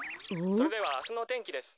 「それではあすのてんきです」。